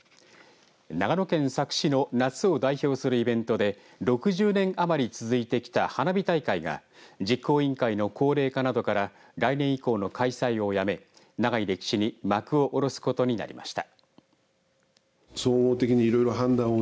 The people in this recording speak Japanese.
長野県佐久市の夏を代表するイベントで６０年余り続いてきた花火大会が実行委員会の高齢化などから来年以降の開催をやめ長い歴史に幕を下ろすことになりました。